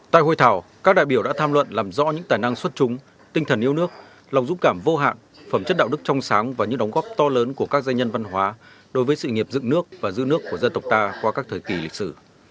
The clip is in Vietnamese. tại hội thảo các đại biểu đã tham luận làm rõ những tài năng xuất trúng tinh thần yêu nước lòng dũng cảm vô hạn phẩm chất đạo đức trong sáng và những đóng góp to lớn của các danh nhân văn hóa đối với sự nghiệp dựng nước và giữ nước của dân tộc ta qua các thời kỳ lịch sử